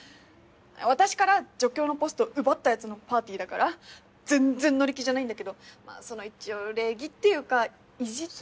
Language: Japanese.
私から助教のポストを奪った奴のパーティーだから全然乗り気じゃないんだけどまぁその一応礼儀っていうか意地っていうか。